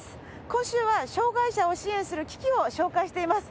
今週は障がい者を支援する機器を紹介しています。